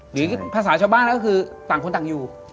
หรือภาษาชาวบ้านก็คือต่างคนต่างอยู่